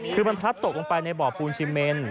คือมันพลัดตกลงไปในบ่อปูนซีเมน